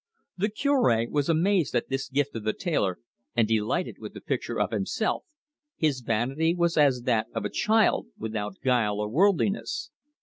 The Cure was amazed at this gift of the tailor, and delighted with the picture of himself his vanity was as that of a child, without guile or worldliness.